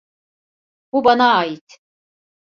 Bu bana ait.